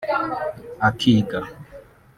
akiga